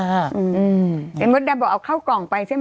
เห็นมดดำบอกเอาเข้ากล่องไปใช่ไหม